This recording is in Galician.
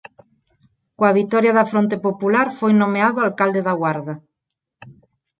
Coa vitoria da Fronte popular foi nomeado alcalde da Guarda.